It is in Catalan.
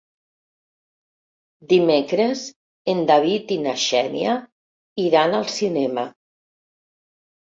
Dimecres en David i na Xènia iran al cinema.